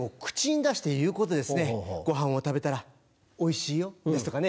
ごはんを食べたら「おいしいよ」ですとかね。